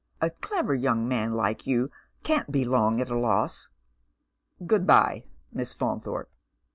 " A clever young man like you can't bo long at a loss. " Good bye, Miss Faunthorpe."